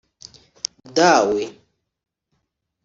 Dawe